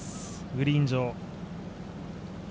グリーン上。